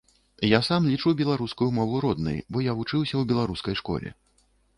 Я сам лічу беларускую мову роднай, бо я вучыўся ў беларускай школе.